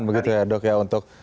begitu ya dok ya untuk